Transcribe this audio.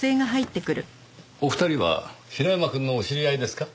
お二人は平山くんのお知り合いですか？